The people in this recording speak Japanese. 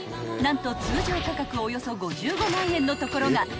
［何と通常価格およそ５５万円のところが］